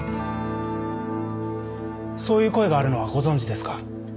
そういう声があるのはご存じですか？